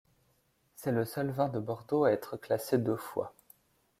C’est le seul vin de Bordeaux à être classé deux fois.